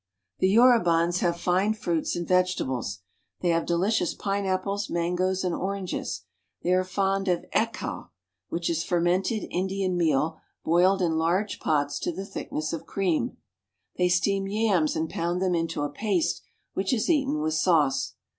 The Yorubans have fine fruits and vegetables. They [have delicious pineapples, mangoes, and oranges. They ire fond of ekkaw, which is fermented Indian meal boiled , I large pots to the thickness of cream. They steam yams ^nd pound them into a paste which is eaten with sauce.